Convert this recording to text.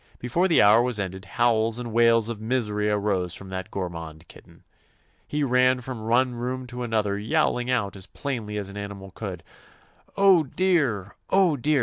Before the hour was ended howls and wails of misery arose from that gormand kit ten. He ran from one room to an other yowling out as plainly as an animal could, "Oh, dear I Oh, dear!